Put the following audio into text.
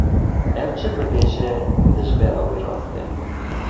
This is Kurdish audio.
Ew çi bibêje, dijbera wê rast e.